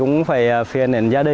không phải mua sờ bông dầu gồi